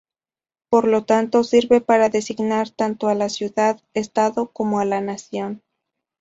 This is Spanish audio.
Por lo tanto, sirve para designar tanto a la ciudad-Estado como a la nación.